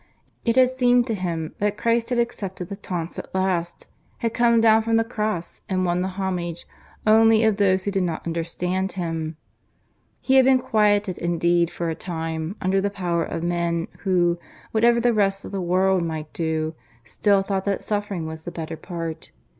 It had seemed to him that Christ had accepted the taunts at last, had come down from the Cross and won the homage only of those who did not understand Him. He had been quieted indeed for a time, under the power of men who, whatever the rest of the world might do, still thought that suffering was the better part.